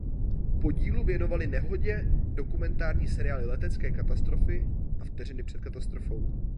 Po dílu věnovaly nehodě dokumentární seriály "Letecké katastrofy" a "Vteřiny před katastrofou".